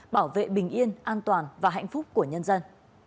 bảo vệ bình yên an toàn và hạnh phúc của nhân dân